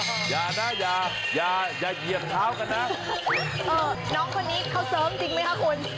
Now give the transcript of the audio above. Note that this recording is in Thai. น้องคนนี้เขาเสิร์งจริงมั้ยคะคุณ